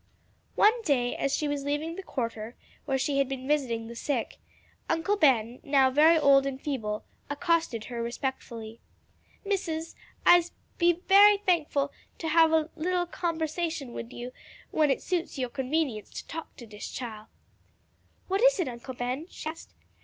One day as she was leaving the quarter, where she had been visiting the sick, Uncle Ben, now very old and feeble, accosted her respectfully. "Missus, I'se be bery thankful to hab a little conversation wid you when it suits yo' convenience to talk to dis chile." "What is it, Uncle Ben?" she asked.